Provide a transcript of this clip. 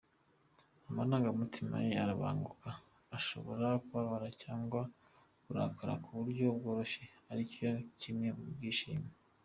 Amarangamutima ye arabanguka, ashobora kubabara cyangwa kurakara ku buryo bworoshye, nicyo kimwe no kwishima.